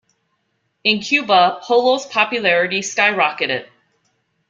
In Cuba, Polo's popularity skyrocketed.